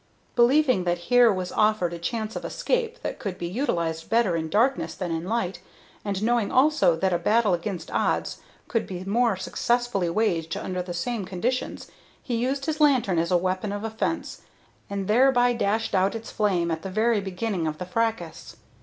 Believing that here was offered a chance of escape that could be utilized better in darkness than in light, and knowing also that a battle against odds could be more successfully waged under the same conditions, he used his lantern as a weapon of offence, and thereby dashed out its flame at the very beginning of the fracas.